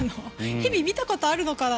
蛇見たことあるのかな？